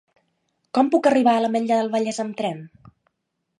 Com puc arribar a l'Ametlla del Vallès amb tren?